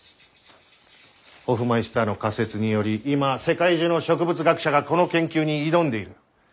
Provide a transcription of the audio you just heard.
ホフマイスターの仮説により今世界中の植物学者がこの研究に挑んでいる。